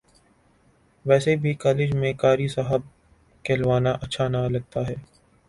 ویسے بھی کالج میں قاری صاحب کہلوانا اچھا نہ لگتا تھا